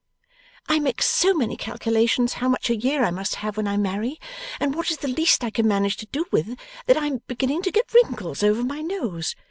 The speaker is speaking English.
I make so many calculations how much a year I must have when I marry, and what is the least I can manage to do with, that I am beginning to get wrinkles over my nose.